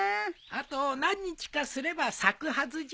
あと何日かすれば咲くはずじゃ。